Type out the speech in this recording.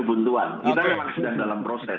buntuan kita memang sedang dalam proses